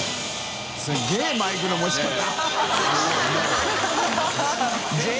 すげぇマイクの持ち方。ねぇ。）